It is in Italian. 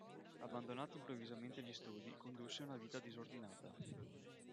Abbandonati improvvisamente gli studi, condusse una vita disordinata.